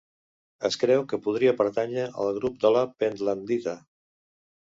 Es creu que podria pertànyer al grup de la pentlandita.